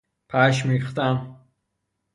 پشم ریختن